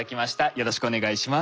よろしくお願いします。